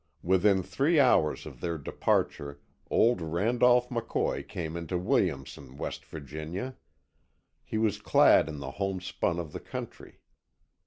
Within three hours of their departure old Randolph McCoy came into Williamson, West Virginia. He was clad in the homespun of the country.